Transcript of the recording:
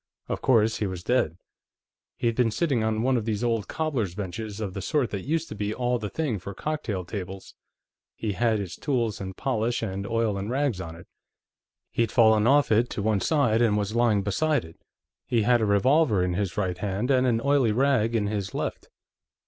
Of course, he was dead. He'd been sitting on one of these old cobblers' benches of the sort that used to be all the thing for cocktail tables; he had his tools and polish and oil and rags on it. He'd fallen off it to one side and was lying beside it. He had a revolver in his right hand, and an oily rag in his left."